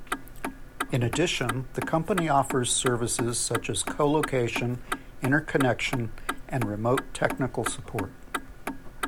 In addition, the company offers services such as colocation, interconnection and remote technical support.